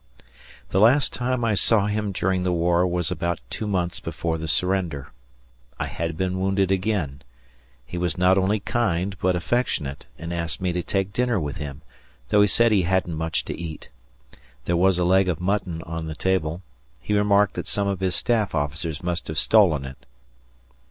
The last time I saw him during the war was about two months before the surrender. I had been wounded again. He was not only kind, but affectionate, and asked me to take dinner with him, though he said he hadn't much to eat. There was a leg of mutton on the table; he remarked that some of his staff officers must have stolen it.